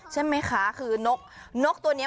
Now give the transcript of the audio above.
ใช่ไหมคะคือนกตัวนี้